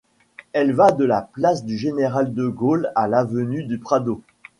Elle va de la place du Général-de-Gaulle à l’avenue du Prado.